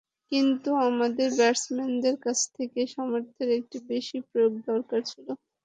কিন্তু আমাদের ব্যাটসম্যানদের কাছ থেকেও সামর্থ্যের একটু বেশি প্রয়োগ দরকার ছিল।